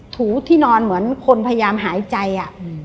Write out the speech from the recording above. ถูที่นอนเหมือนคนพยายามหายใจอ่ะ